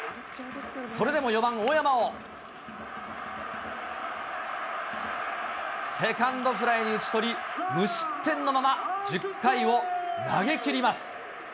それでも４番大山をセカンドフライに打ち取り、無失点のまま１０回を投げきります。